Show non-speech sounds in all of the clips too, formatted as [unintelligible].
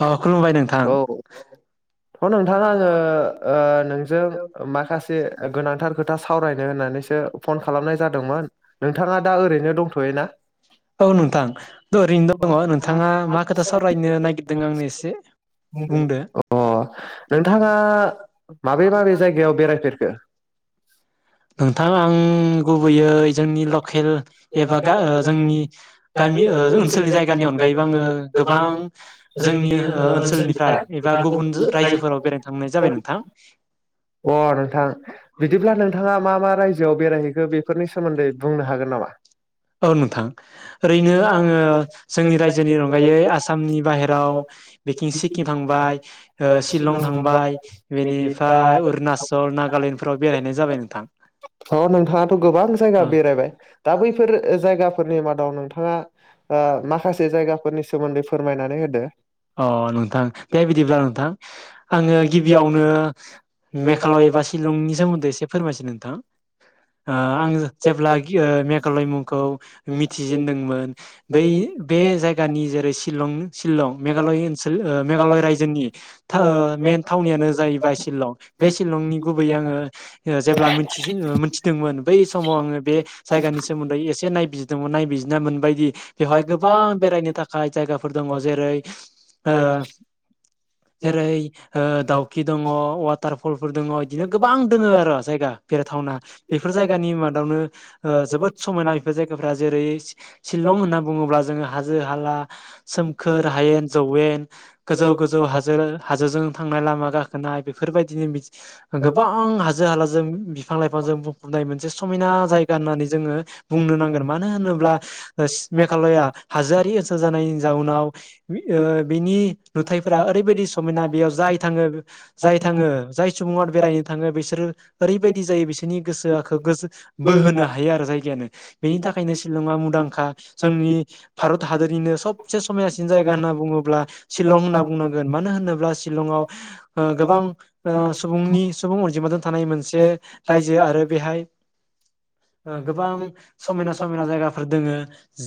अ खुलुमबाय नोंथां। थ नोंथाङा आङो ओ नोंजों माखासे गोनांथार खोथा सावरायनो होननानैसो फन खालामनाय जादोंमोन नोंथाङा दा ओरैनो दंथ'यो ना? खोथा सावरायनो नागिरदों आंनो एसे बुंदो। नोंथाङा माबे माबे जायगायाव बेरायफेरखो? नोंथां आं गुबैयै जोंनि लकेल एबा जोंनि गामि ओनसोलनि जायगानि अनगायैबो आङो गोबां जोंनि ओनसोलनिफ्राय एबा गुबुन रायजोफोराव बेरायनो थांनाय जाबाय नोंथां। अ नोंथां बिदिब्ला नोंथां औ नोंथां ओरैनो आङो जोंनि रायजोनि अनगायै आसामनि बाहेराव बेथिं सिक्किम थांबाय शिलं थांबाय बेनिफ्राय उ अरुणाचल नागालेण्डफोराव बेरायनाय जाबाय नों अ नोंथाङाथ' गोबां जायगा बेरायबाय दा बैफोर जायगाफोरनि मादाव नोंथां अ नोंथां बे बिदिब्ला नोंथां आङो गिबियावनो मेघालय एबा शिलंनि सोमोन्दै एसे फोरमायसै नोंथां ओ आं जेब्ला मेघालय मुंखौ मिथि मोथि जेनदोंमोन बे जायगा नि जेरै शिलं सोलाव मेघालय ओनसोल ओ मे‌घालय रायजोनि था ओ मेन थावनियानो जाहैबाय सिलं। बे शिलंनि गुबै आङो ओ जेब्ला मिथि- मिथिदोंमोन बै समाव आङो बे जायगानि सोमोन्दै एसे नायबिजिरदोंमोन‌। नाय बिजिरना मोनबायदि बेवहाय गोबां बेरायनो थाखाय जायगाफोर दङ जेरै ओ जेरै दउखि दङ वाटारफलफोर दङ बिदिनो गोबां दङ आरो जायगा बेरायथावना बेफोर जायगानि मादावनो ओ जोबोद समायना इफोर जायगा ओ जेरै शिलं होनना बुङोब्ला जोङो हाजो हाला सोमखोर हायेन जौवेन गोजौ गोजौ हाजो हाजोजों थांनाय लामा गाखोनाय बेफोरबायदिनो बिदि गोबां हाजो हाला जों बिफां लाइफां जों बुंनाय मोनसे समायना जायगा होननानै जोङो बुंनो नांगोन मानो होनोब्ला ओ मेघालया हाजोआरि ओनसोल जानायनि जाउनाव ओ बिनि नुथायफोरा ओरैबायदि समायना बेयाव जाय थाङो जाय थाङो जाय सुबुङा बेरायनो थाङो बिसोरो ओरैबायदि जायो बिसोरनि गोसोआ गो बोहोनो हायो आरो जायगायानो बेनि थाखायनो शिलङा मुंदांखा जोंनि भारत हादरनिनो सबसे समायनासिन जायगा होन्ना बुङोब्ला शिलं होनना बुंनांगोन मानो होनोब्ला शिलंआव ओ गोबां ओ सुबुंनि सुबुं अनजिमाजों थानाय मोनसे रायजो आरो बेहाय ओ गोबां समायना समायना जायगा फोर दोङो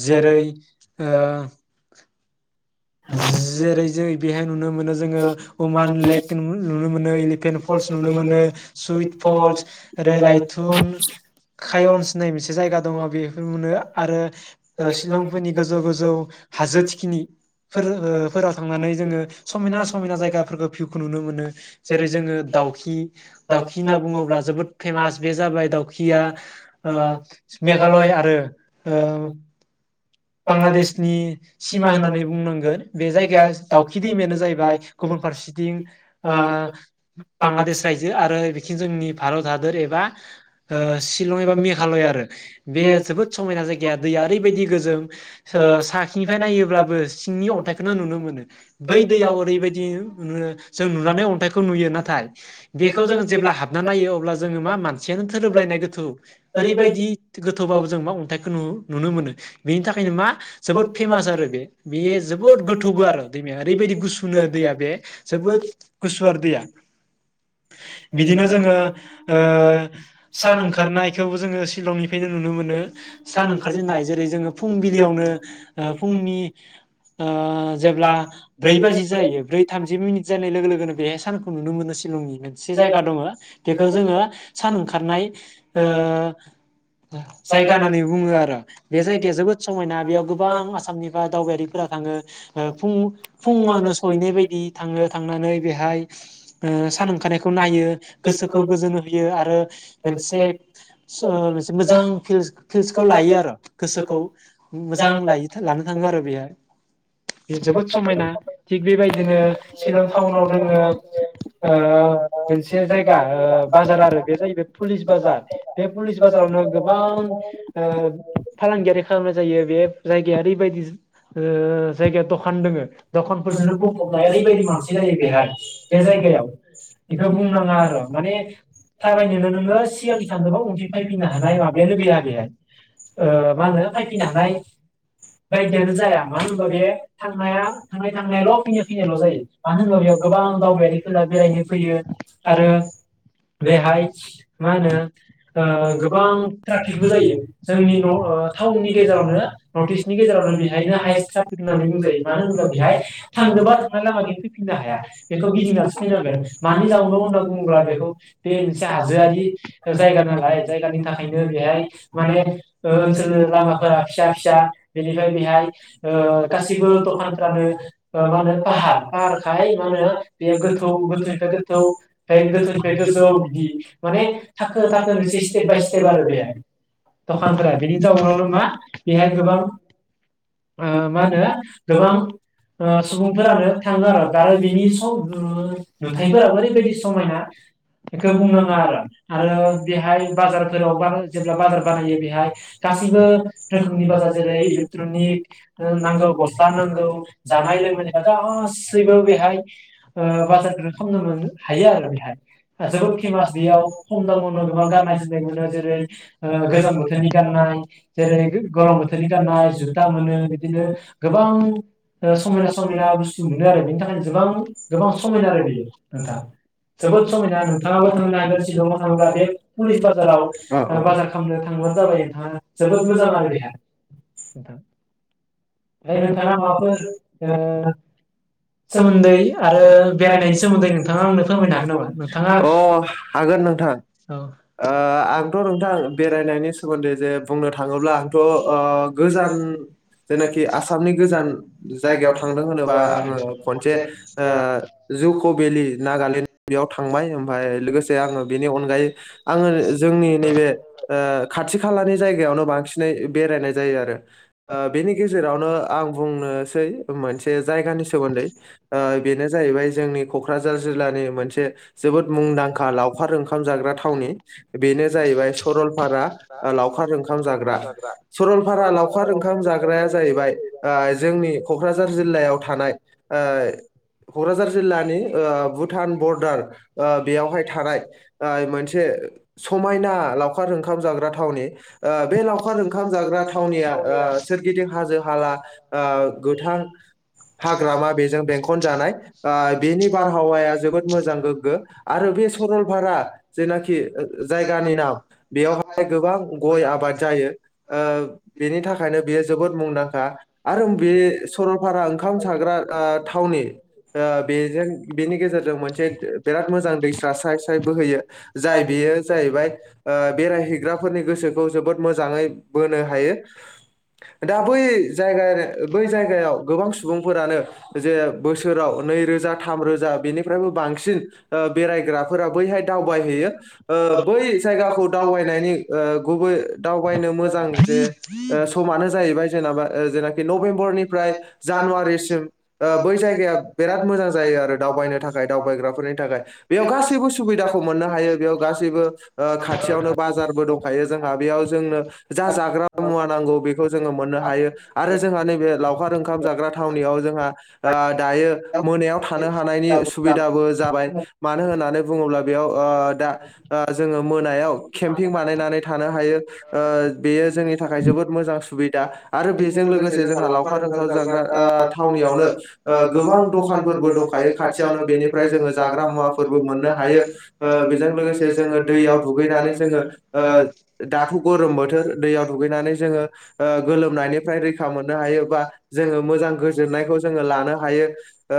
जेरै ओ जेरै जों बेहाय नुनो मोनो जोङो अमान लेक नुनो मोनो एलिफेन्ट फल्स नुनो मोनो सुइट फल्स ओरै लाइथुन कायन्स होननाय मोनसे जायगा दङ बेफोर मोनो आरो शिलंफोरनि गोजौ गोजौ हाजोथिखिनि फोर ओ फोराव थांनानै जोङो समायना समायना जायगाफोरखौ फिउ खौ नुनो मोनो जेरै जोङो दाउखि दाउखि होनना बुङोब्ला जोबोद फेमास बे जाबाय दाउखिया ओ मेघालय आरो ओ बांलादेशनि सिमा होननानै बुंनांगोन बे जायगाया दाावखि दैमायानो जाहैबाय गुबुन फारसेथिं ओ बांलादेश रायजो आरो बिखनि जोंनि भारत हादोर एबा शिलं एबा मेघालया आरो बे जोबोद समायना जाय खिया दैया ओरैबायदि गोजों ओ साखिनिफ्राय नायोब्लाबो सिंनि अन्थाइखौनो नुनो मोनो बै दैयाव ओरैबायदि ओ जों नुनानै अन्थाइखौ नुयो नाथाय बेखौ जोङो जेब्ला हाबनानै नायो अब्ला जोङो मा मानसियानो थोरोबलायनाय गोथौ। ओरैबायदि गोथौबाबो जों मा अन्थाइखौ नु नुनो मोनो। बेनि थाखायनो मा जोबोद फेमास आरो बे बेयो जोबोद गोथौबो आरो दैमाया ओरैबायदि गुसुनो दैया बे जोबोद गुसु आरो दैया। बिदिनो जोङो ओ सान ओंखारनायखौबो जोङो सिलंनिफ्रायनो नुनो मोनो। सान ओंखारजेननाय जेरै जोङो फुंबिलियावनो ओ फुंनि जेब्ला ब्रै बाजि जानाय लोगो लोगो सानखौ नुनो मोनो सिलंनि मोनसे जायगा दङ बेखौ जोङो सान ओंखारनाय ओ जायगा होननानै बुङो आरो बे जायगाया जोबोद समायना बेयाव गोबां आसामनिफ्राय दावबायारिफोरा थाङो ओ फुं फुङावनो सहैनाय बायदि थाङो थांनानै बेहाय ओ सान ओंखारनायखौ नायो। गोसोखौ गोजोन हो बेयो आरो मोनसे सोर एसे मोजां फिल्स फिल्सखौ लायो आरो गोसोखौ। [inaudible] मोजां लायोथार लानो थाङो आरो बेयो बेयो जोबोद समायना थिग बेबायदिनो चिरां टाउनाव [unintelligible] ओ मोनसे जायगा ओ बाजार आरो बे जाहैबाय पुलिस बाजार बे पुलिस बाजारावनो गोबां ओ फालांगियारि खालामनाय जायो बे जायगाया ओरैबायदि ओ जायगाया दखान दोङो। दखानफोरजोंनो बुंफबनाय ओरैबायदि मानसि जायो बेहाय बे जायगायाव बेखौ बुंनाङा आरो माने थाबायनोबा नोङो सिगांथि थांनोबा उथिं फैफिननो हानाय लाबायानो गैया बेहाय ओ मा होनो फायफिनो हानाय बायदेर जाया मा बे थांनाया थांनाय थांनायाल' फैनाय फैनायाल' जायो मानो होनोबा बेयाव गोबां दावबायारिफोरा बेरायनो फैयो आरो बेहाय मा होनो ओ गोबां ट्राफिकबो जायो जोंनि न' ओ टाउननि गेजेरावनो नर्थ इस्टनि गेजेरावनो बेहायनो हाइस् ट्राफिक होननानै बुंजायो मानो होनोबा बेहाय थांनोबा थां लामानि नों हाया बेखौ गिदिंनासो फैनांगोन मानि जाउनाव होनना बुङोब्ला बेखौ बे मोनसे हाजोआरि जायगा नालाय जायगानि थाखायनो बेहाय माने ओ सोरनो लामाफोरा फिसा फिसा बेनिफ्राय बेहाय ओ गासिबो ओ दखानफो मा होनो फाहार फाहारखाय मा होनो बेयो गोथौ गोथैनिफ्राय गोथौ ओफाय गोथौनिफ्राय गोजौ इदि माने थाखो थाखो एसे स्टेप बाय स्टेप आरो बे दखानफोरा हिनजाव मा बेहाय गोबां मा होनो गोबां ओ सुबुंफोरानो थाङो आरो दारो बिनि सम नुथाइफोराबो ओरैबायदि समायना बेखौ बुंनाङा आरो आरो बेहाय बाजारफोराव बारो जेब्ला बाजार बानायो बेहाय गासिबो रोखोमनि बाजार जेरै इलेक्ट्रनिक नांगौ गस्ला नांगौ जानाय लोंनाया गासैबो बेहाय ओ बाजारखौनो खालामनो मोनो हायो आरो बेहाय जोबोद फेमास बेयाव खम दामावनो गोबां गाननाय जोमनाय मोनो जेरै ओ गोजां बोथोरनि गाननाय जेरै गोलोम बोथोरनि गाननाय जुथा मोनो बिदिनो गोबां समायना समायना बुस्थु मोनो आरो बेनि थाखायनो गोबां गोबां समायना आरो बेयो नोंथां जोबोद समायना नोंथाङाबो थांनो हागोर सिलंआव थाङोब्ला बे पुलिस बाजाराव बाजार खालामनो थांबानो जाबाय आ जोबोर मोजां आरो बेहाय नोंथाङा माबाफोर ओ सोमोन्दै आरो बेरायनायनि सोमोनदै नोंथाङा आंनो फोरमायनो हागोन नोंथाङा ओ हागोन नोंथां ओ आंथ' नोंथां बेरायनायनि सोमोन्दै जे बुंनो थाङोब्ला आंथ' ओ गोजान जेनाखि आसामनि गोजान जायगायाव थांदों होनोबा आङो खनसे ओ जुक' भेलि नागालेण्ड बेयाव थांबाय ओमफ्राय लोगोसे ए आङो बेनि अनगायै आङो जोंनि नैबे ओ खाथि खालानि जायगायावनो बांसिनै बेरायनाय जायो आरो [inaudible] जेरावनो आं बुंनोसै मोनसे जायगानि सोमोन्दै ओ बेनो जाहैबाय जोंनि कक्राझार जिल्लानि मोनसे जोबोद मुंदांखा लावखार ओंखा ओंखामजाग्रा थावनि बेनो जाहैबाय सरलपारा लावखार ओंखाम जाग्रा सरलपारा लावखार ओंखाम जाग्राया जाहैबाय ओ जोंनि कक्राझर जिल्ला याव थानाय ओ कक्राझार जिल्लानि ओ भुटान बरदार ओ बेयावहाय थानाय ओ मोनसे समायना लखार ओंखाम थावनि बे लावखार ओंखाम जाग्रा थावनिया ओ सोरगिदिं हाजो हाला ओ गोथां ओ हाग्रामा बेजों बेंखन जानाय ओ बेनि बारहावाया जोबोद मोजां गोग्गो आरो बे सरलपारा जेनाखि जायगानि नाम बे गोबां गय आबाद जायो ओ बेनि थाखायनो बेयो जोबोद मुंदांखा आरो बे सरलपारा ओंखाम साग्रा ओ थावनि ओ बेजों बेनि गेजेरजों मोनसे बिराद मोजां दैसा स्राय स्राय बोहोयो जाय बेयो जाहैबाय ओ बेरायहैग्राफोरनि गोसोखौ जोबोद मोजांङै बोनो हायो दा बै जायग बै जायगायाव गोबां सुबुंफोरानो जे बोसोराव नैरोजा थामरोजा बेनिफ्रायबो बांसिन बेरायग्राफोरा बैहाय दावबायहैयो ओ बै जायगाखौ दावबायनायनि ओ गुबै दावबायनो मोजां जे ओ समानो जाहैबाय जेनेबा जेनाखि नभेम्बरनिफ्राय जानुवारिसिम ओ बै जायगाया बिराद मोजां जायो आरो दावबायनो थाखाय दावबायग्राफोरनि थाखाय बेयाव गासैबो सुबिदाखौ मोननो हायो बेयाव गासैबो खाथियावनो बाजारबो दंखायो जोंहा बेयाव जोंनो जा जाग्रा मुवा नांगौ बेखौ जोङो मोननो हायो आरो जोंहा नैबे लावखार ओंखाम जाग्रा थावनियाव जोंहा ओ दायो मोनायाव थानो हानायनि सुबिदाबो जाबाय मानो होननानै बुङोब्ला बेयाव ओ दा जोङो मोनायाव केम्पिं बानायनानै थानो हायो बेयो ओ जोंनि थाखाय जोबोद मोजां सुबि दा आरो बेजों लोगोसे जोंहा लावखार ओंखाम जाग्रा ओ थावनियावनो गोबां दखानफोरबो दंखायो खाथियावनो बेनिफ्राय जोङो जाग्रा मुवाफोरबो मोननो हायो। ओ बेजों लोगोसे जोङो दैयाव दुगैनानै जोङो ओ दाथ' गरम बोथोर दैयाव दुगैनानै जोङो ओ गोलोमनायनि फ्राय रैखा मोननो हायो बा जोङो मोजां गोजोननायखौ जोङो लानो हायो। ओ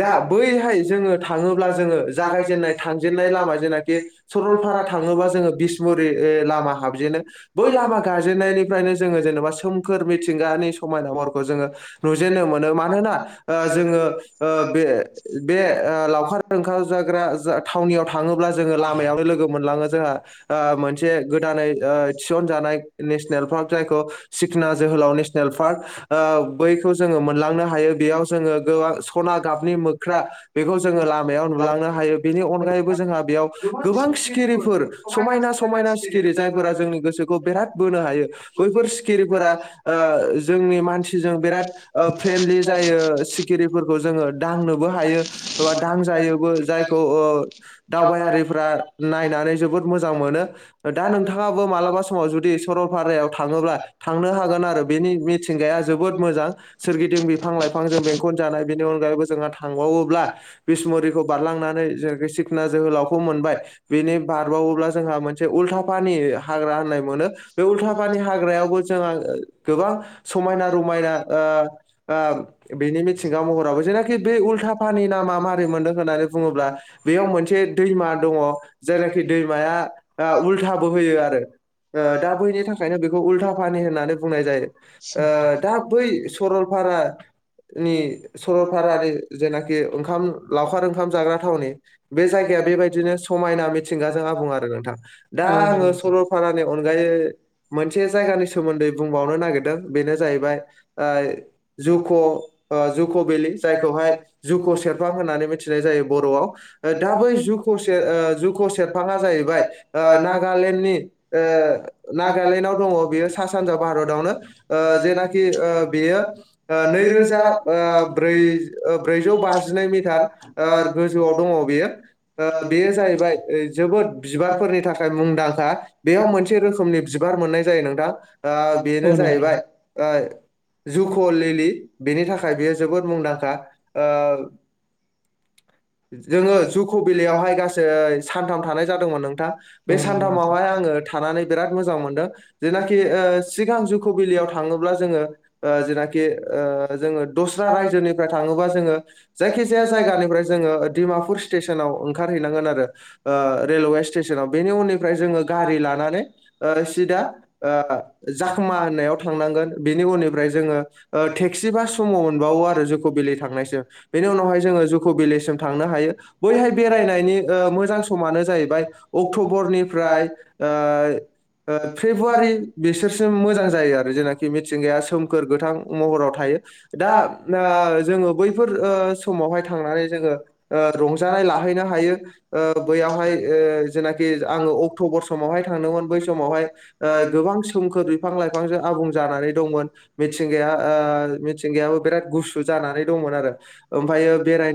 दा बैहाय जोङो थाङोब्ला जोङो जागायजेननाय थांजेननाय लामा जेनाखि सरलपारा थाङोबा जोङो बिसमुरि ओ लामा हाबजेनो। बै लामा गाजेननायनिफ्रायनो जोङो जेन'बा सोमखोर मिथिंगानि समायना महरखौ जोङो नुजेनो मोनो। मानोना जोङो ओ बे बे ओ लावखार ओंखाम जाग्रा जा थावनियाव थाङोब्ला जोङो लामायावनो लोगो मोनलाङो जोंहा ओ मोनसे गोदानै थिसनजानाय नेसनेल पार्क जाय खौ सिखना जोहोलाव नेसनेल पार्क ओ बैखौ जोङो मोनलांनो हायो। बेयाव जोङो गोबां सना गाबनि मोख्रा बेखौ जोङो लामायाव नुलांनो हायो। बेनि अनगायैबो जोंहा बेयाव गोबां सिखिरिफोर समायना समायना सिखिरि जायफोरा जोंनि गोसोखौ बेराद बोनो हायो। बैफोर सिखिरिफोरा ओ जोंनि मानसिजों बिराद ओ फ्रेन्डलि जायो सिखिरिफोरखौ जोङो दांनोबो हायो एबा दांजायोबो जायखौ ओ दावबायारिफ्रा नायनानै जोबोद मोजां मोनो। दा नोंथाङाबो मालाबा समाव जुदि सरलपारायाव थां थाङोब्ला थांनो हागोन आरो बेनि मिथिंगाया जोबोद मोजां सोरगिदिं बिफां लाइफांजों बेंखन जानाय बेनि अनगायैबो जोंहा थांबावोब्ला बिसमुरिखौ बारलांनानै जि सिखना जोहोलावखौ मोनबाय बिनि बारबावोब्ला जोंहा मोनसे उल्थाफानि हाग्रा होननाय मोनो। बे उल्था पानि हाग्रायावबो जोंहा गोबां समायना रमायना ओ ओ बिनि मिथिंगा महाव जेनाखि बे उल्था फानि नामा मारै मोनदों होननानै बुङोब्ला बेयाव मोनसे दैमा दङ' जायनाखि दैमा उल्था बोहैयो आरो। बेखौ उल्थाफानि होननानै बुंनाय जायो। ओ दा बै सरलपारानि सरलपारानि जेनाखि ओंखाम लावखार ओंखाम जाग्रा थावनि बे जायगाया बेबायदिनो समायना मिथिंगाजों आबुं आरो नोंथां। दा आङो सरलपारानि अनगायै मोनसे जायगानि सोमोन्दै बुंबावनो नागिरदों बेनो जाहैबाय जुक' ओ जुक' भेलि जायखौहाय जुक' सेरफां होननानै मिथिनाय जायो बर'आव। ओ दा बै जुक' स जुक' सेरफाङा जाहैबाय ओ नागालेण्डनि ओ नागालेण्डआव दङ बेयो सा सानजा भारतावनो। ओ जेनाखि ओ बेयो नै रोजा ओ ब्रै-ब्रैजौ बाजिनै मिटार ओ गोजौआव दङ बेयो। ओ बेयो जाहैबाय जोबोद बिबारफोरनि थाखाय मुंदांखा। बेयाव मोनसे रोखोम बिबार मोननाय जायो नोंथां। ओ बेनो जाहैबाय ओ जुक' लिलि ओ बेनि थाखाय बेयो जोबोद मुंदांखा। ओ जोङो जुक' बिलियावहाय गासै सान्थाम थानाय जादोंमोन नोंथां। बे सान्थामावहाय आङो थानानै बिराद मोजां मोनदों। जेनाखि ओ सिगां जुक' 'बिलियाव थाङोब्ला जोङो ओ जेनाखि ओ जोङो दस्रा रायजोनिफ्राय थाङोबा जोङो जायखि जाया जायगानिफ्राय जोङो स्टेसनाव ओंखारहैनांगोन आरो ओ रेलवे स्टेसनाव। बेनि उननिफ्राय जोङो गारि लानानै ओ सिदा ओ जाखोमा होननायाव थांनांगोन। बेनि उननिफ्राय जोङो ओ टेक्सि बा सुमु मोनबावो आरो जुक'बिलि थांनायसिम बेनि उनावहाय जोङो जुक'बिलिसिम थां थांनो हायो। बैहाय बेरायनायनि ओ मोजां समानो जाहैबाय अक्ट'बरनिफ्राय ओ ओ फेब्रुवारि बिसोरसिम मोजां जायो आरो जेनाखि मिथिंगाया सोमखोर गोथां महराव थायो। दा आ जोङो बैफोर ओ समावहाय थांनानै जोङो ओ रंजानाय लाहैनो हायो ओ बैयावहाय ओ जेनाखि आङो अक्ट'बर समावहाय थांदोंमोन बै बसमावहाय गोबां सोमखोर बिफां लाइफांजों आबुं जानानै दंमोन मिथिंगाया ओ मिथिंगायाबो बिराद गुसु जानानै दंमोन आरो ओमफायो बेरायना